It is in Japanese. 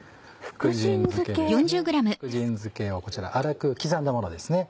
福神漬けをこちら粗く刻んだものですね。